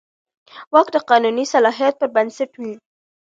واک د قانوني صلاحیت پر بنسټ وي.